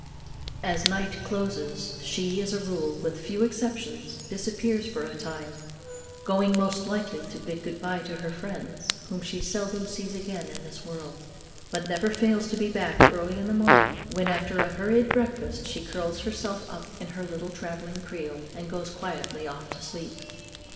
As night closes, she, as a rule, with few exceptions, disappears for a time, going most likely to bid good bye to her friends, whom she seldom sees again in this world, but never fails to be back early in the morning, when, after a hurried breakfast, she curls herself up in her little travelling "creel," and goes quietly off to sleep.